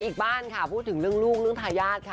อีกบ้านค่ะพูดถึงเรื่องลูกเรื่องทายาทค่ะ